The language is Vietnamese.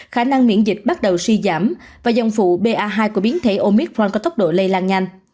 khả năng miễn dịch bắt đầu suy giảm và dòng phụ ba hai của biến thể omitron có tốc độ lây lan nhanh